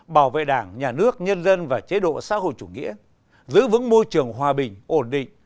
bảo vệ đảng nhà nước nhân dân và chế độ xã hội chủ nghĩa giữ vững môi trường hòa bình ổn định